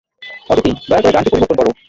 অদিতি, দয়া করে গানটি পরিবর্তন করো!